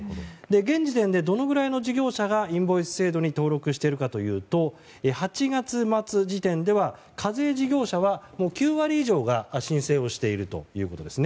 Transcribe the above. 現時点でどのくらいの事業者がインボイス制度に登録しているかというと８月末時点では課税事業者は９割以上が申請をしているということです。